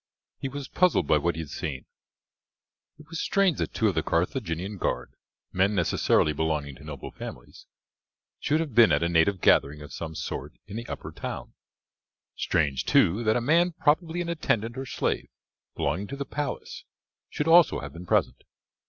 He was puzzled by what he had seen. It was strange that two of the Carthaginian guard, men necessarily belonging to noble families, should have been at a native gathering of some sort in the upper town. Strange, too, that a man probably an attendant or slave belonging to the palace should also have been present.